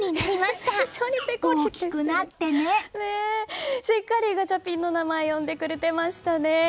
しっかりガチャピンの名前を呼んでくれてましたね。